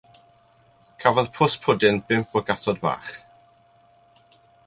Cafodd Pws Pwdin bump o gathod bach.